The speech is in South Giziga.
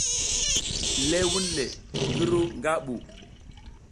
Le wunle ngi ru nga ɓu.